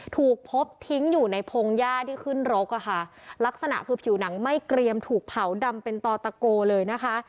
ถูกพบทิ้งอยู่ในพงหญ้าที่ขึ้นรกอะค่ะลักษณะคือผิวหนังไม่เกรียมถูกเผาดำเป็นต่อตะโกเลยนะคะ